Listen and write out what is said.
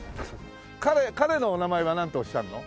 彼のお名前はなんておっしゃるの？